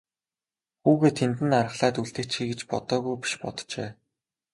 Хүүгээ тэнд нь аргалаад үлдээчихье гэж бодоогүй биш боджээ.